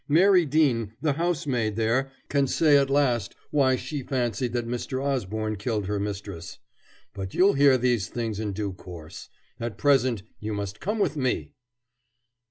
Mary Dean, the housemaid there, can say at last why she fancied that Mr. Osborne killed her mistress. But you'll hear these things in due course. At present you must come with me."